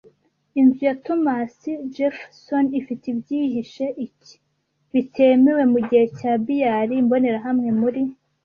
Inzu ya Thomas Jefferson ifite ibyihishe iki? bitemewe mugihe cye Billiard Imbonerahamwe muri